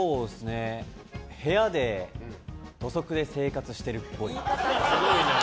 部屋で土足で生活してるっぽい。